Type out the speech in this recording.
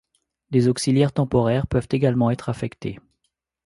Des auxiliaires temporaires peuvent également être affectés.